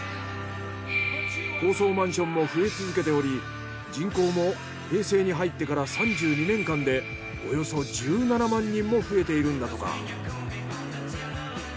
高層マンションも増え続けており人口も平成に入ってから３２年間でおよそ１７万人も増えているんだとか。